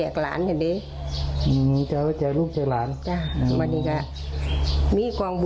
ไม่ใช่เหรอสิลองฟังครับ